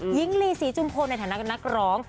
หญิงลีศรีจุมพลในฐานะนักร้อง